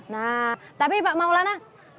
nah tapi pak maulana